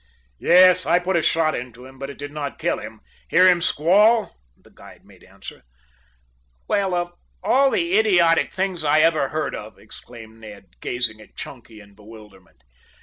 "Yes; I put a shot into him, but it did not kill kill him! Hear him squall?" the guide made answer. "Well of all the idiotic things I ever heard of!" exclaimed Ned, gazing at Chunky in bewilderment.